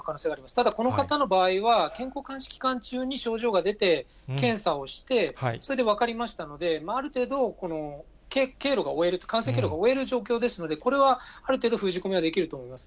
ただこの方の場合は、健康監視期間中に症状が出て、検査をして、それで分かりましたので、ある程度、経路が追えると、感染経路が追える状況ですので、これはある程度、封じ込めはできると思います。